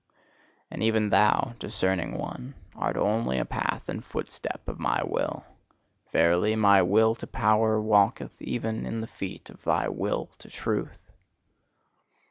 And even thou, discerning one, art only a path and footstep of my will: verily, my Will to Power walketh even on the feet of thy Will to Truth!